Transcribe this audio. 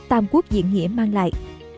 tam quốc diện nghĩa mang lại